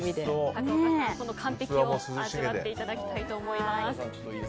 高岡さん、完璧を味わっていただきたいと思います。